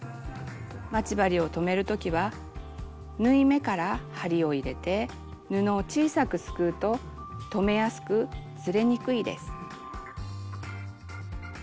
待ち針を留めるときは縫い目から針を入れて布を小さくすくうと留めやすくずれにくいです。